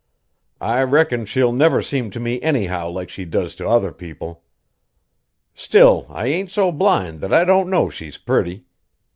I reckon she'll never seem to me anyhow like she does to other people. Still I ain't so blind that I don't know she's pretty.